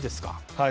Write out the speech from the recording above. はい。